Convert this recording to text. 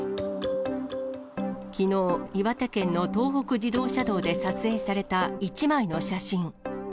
きのう、岩手県の東北自動車道で撮影された１枚の写真。